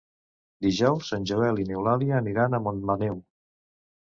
Dijous en Joel i n'Eulàlia aniran a Montmaneu.